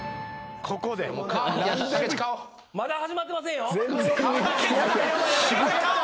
まだ始まってませんよ。